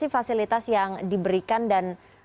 fasilitas yang diberikan dan